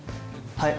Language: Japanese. はい。